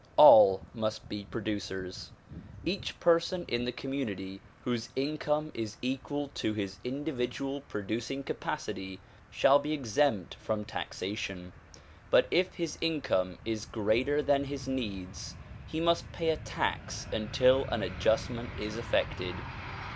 All must be producers. Each person in the community whose income is equal to his individual producing capacity shall l)e exempt from taxation. But if his income is greater than his needs he must pay a tax until an adjustment is effected.